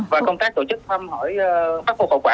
và công tác tổ chức thăm hỏi pháp hộp hậu quả